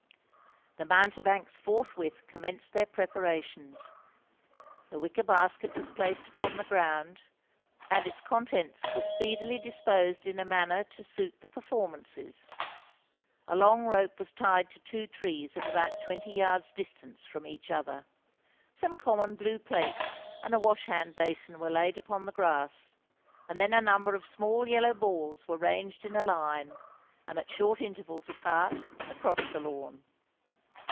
The mountebanks forthwith commenced their preparations. The wicker basket was placed upon the ground; and its contents were speedily disposed in a manner to suit the performances. A long rope was tied to two trees of about twenty yards' distance from each other: some common blue plates and a wash hand basin were laid upon the grass; and then a number of small yellow balls were ranged in a line, and at short intervals apart, across the lawn.